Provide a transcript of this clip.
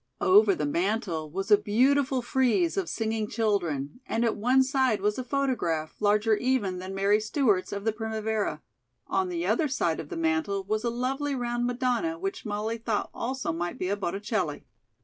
Over the mantel was a beautiful frieze of singing children, and at one side was a photograph, larger even than Mary Stewart's, of the "Primavera"; on the other side of the mantel was a lovely round Madonna which Molly thought also might be a Botticelli.